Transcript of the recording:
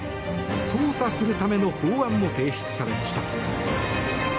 捜査するための法案も提出されました。